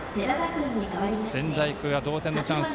仙台育英は同点のチャンス。